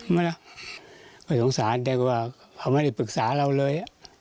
ไม่ได้ไม่สงสารแต่ว่าเขาไม่ได้ปรึกษาเราเลย